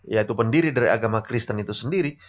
yaitu pendiri dari agama kristen itu sendiri